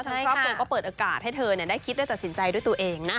แล้วทั้งครอบครองก็เปิดอากาศให้เธอได้คิดและตัดสินใจด้วยตัวเองนะ